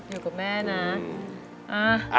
อยู่กับแม่นะ